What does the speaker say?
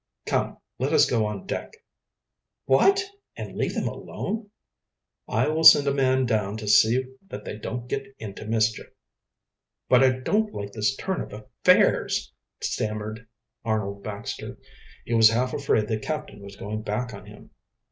Come, let us go on deck." "What! and leave them alone?" "I will send a man down to see that they don't get into mischief." "But I don't like this turn of affairs," stammered Arnold Baxter. He was half afraid the captain was going back on him.